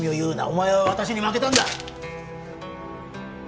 お前は私に負けたんだ！